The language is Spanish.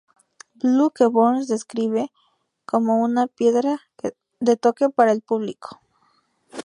Blue que Burns describe como una "piedra de toque para el público".